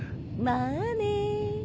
まあね。